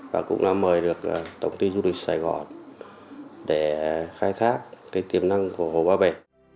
và cũng đã mời được tổng ty du lịch sài gòn để khai thác cái tiềm năng của hồ ba bể